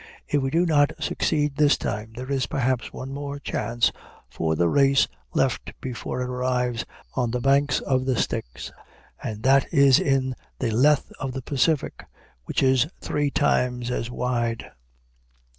If we do not succeed this time, there is perhaps one more chance for the race left before it arrives on the banks of the Styx; and that is in the Lethe of the Pacific, which is three times as wide.